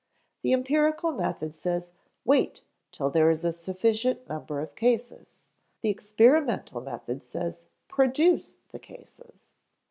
The empirical method says, "Wait till there is a sufficient number of cases;" the experimental method says, "Produce the cases."